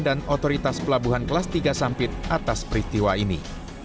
dan otoritas pelabuhan kelas tiga sampit atas peristiwa ini